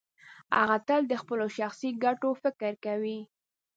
هغه تل د خپلو شخصي ګټو فکر کوي.